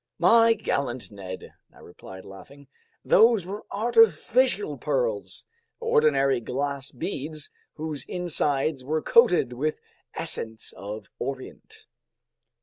"My gallant Ned," I replied, laughing, "those were artificial pearls, ordinary glass beads whose insides were coated with Essence of Orient."